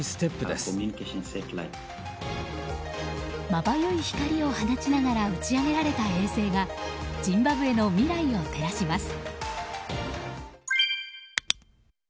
まばゆい光を放ちながら打ち上げられた衛星がジンバブエの未来を照らします。